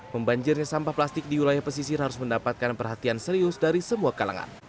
membanjirnya sampah plastik di wilayah pesisir harus mendapatkan perhatian serius dari semua kalangan